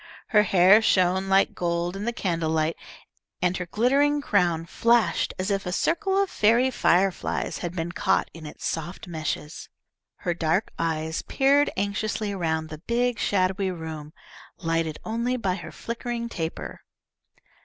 Her hair shone like gold in the candlelight, and her glittering crown flashed as if a circle of fairy fireflies had been caught in its soft meshes. Her dark eyes peered anxiously around the big shadowy room, lighted only by her flickering taper.